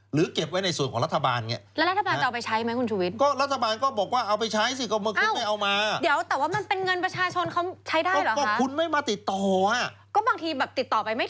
หรือเก็บไว้ในส่วนของรัฐบาลแบบนี้